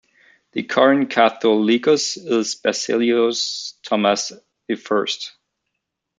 The current Catholicos is Baselios Thomas the First.